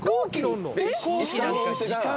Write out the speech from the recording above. えっ？